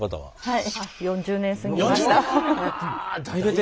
はい。